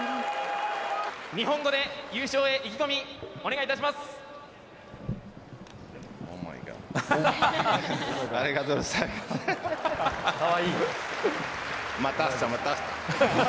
日本語で優勝へ意気込み、お願いいたします。